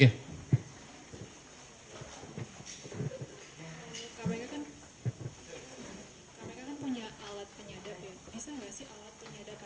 kamu kan punya alat penyadap ya bisa enggak sih alat penyadapan ini digunakan untuk mencari penyadap